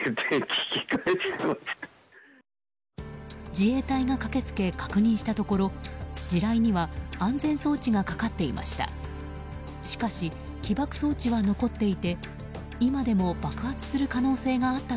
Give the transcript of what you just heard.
自衛隊が駆け付け確認したところ地雷には安全装置がかかっていました。